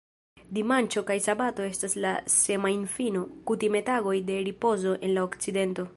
Dimanĉo kaj sabato estas la "semajnfino", kutime tagoj de ripozo en la Okcidento.